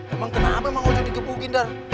emang kenapa emang ojo dikebukin dar